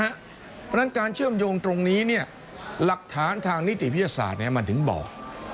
เพราะฉะนั้นการเชื่อมโยงตรงนี้หลักฐานทางนิติวิทยาศาสตร์มันถึงบอก